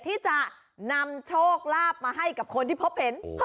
ที่จะนำโชคลาภมาให้กับคนที่พบเห็น